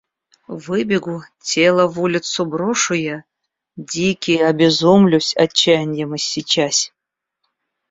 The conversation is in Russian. Выбегу, тело в улицу брошу я. Дикий, обезумлюсь, отчаяньем иссечась.